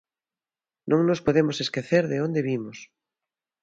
Non nos podemos esquecer de onde vimos.